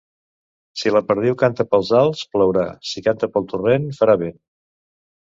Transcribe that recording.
Si la perdiu canta pels alts, plourà; si canta pel torrent, farà vent.